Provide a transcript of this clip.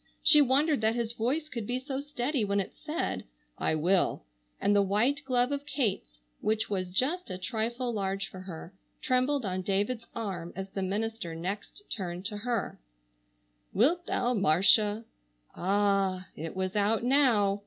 She wondered that his voice could be so steady when it said, "I will," and the white glove of Kate's which was just a trifle large for her, trembled on David's arm as the minister next turned to her: "Wilt thou, Marcia"—Ah! It was out now!